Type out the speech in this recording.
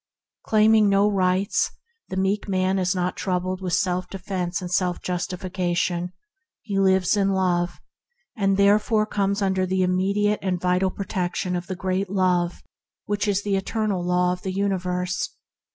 Claiming no rights, the meek man is not troubled with self defence and self justi fication; he lives in love, and therefore comes under the immediate and vital pro THE MIGHT OF MEEKNESS 121 tection of the Great Love that is the Eternal Law of the universe.